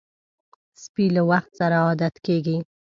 سپي له وخت سره عادت کېږي.